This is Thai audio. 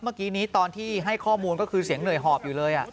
เมื่อกี้นี้ตอนที่ให้ข้อมูลก็คือเสียงเหนื่อยหอบอยู่เลย